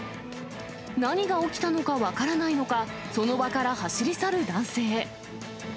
何が起きたのか分からないのか、その場から走り去る男性。